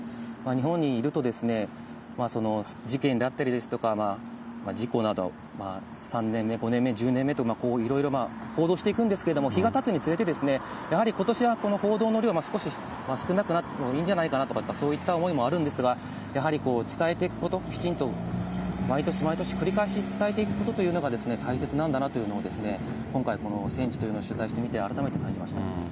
日本にいると、事件であったりですとか、事故など、３年目、５年目、１０年目といろいろ報道していくんですけれども、日がたつにつれて、やはりことしはこの報道の量、少し少なくなってもいいんじゃないかなという、そういった思いもあるんですが、やはりこう、伝えていくこと、きちんと毎年毎年繰り返し伝えていくことというのが大切なんだなというのを今回この戦地というのを取材してみて改めて感じました。